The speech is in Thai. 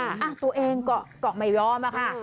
อ่ะตัวเองก็ไม่ยอมอะค่ะ